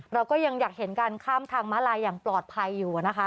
เราก็ยังอยากเห็นการข้ามทางม้าลายอย่างปลอดภัยอยู่นะคะ